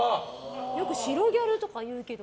よく白ギャルとかいうけど。